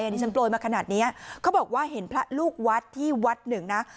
ดิฉันโปรยมาขนาดนี้เขาบอกว่าเห็นพระลูกวัดที่วัดหนึ่งนะ